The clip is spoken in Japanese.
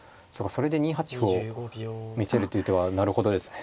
それで２八歩を見せるという手はなるほどですね。